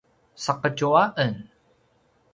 saqetju a en